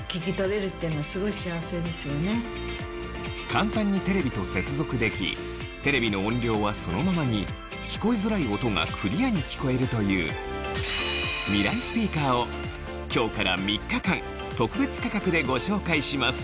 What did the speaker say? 簡単にテレビと接続できテレビの音量はそのままに聞こえづらい音がクリアに聞こえるというミライスピーカーをでご紹介します